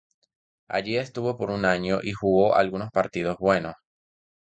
Allí estuvo por un año, y jugó algunos partidos buenos.